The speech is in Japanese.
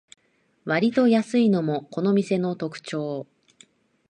わりと安いのもこの店の特長